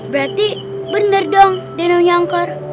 berarti bener dong danaunya angker